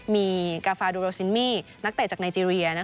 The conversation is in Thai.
มีกาฟาดูโรซินมี่นักเตะจากไนเจรีย